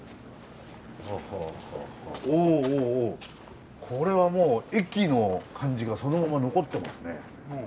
おおこれはもう駅の感じがそのまま残ってますね。